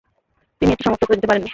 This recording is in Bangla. তিনি এটি সমাপ্ত করে যেতে পারেননি।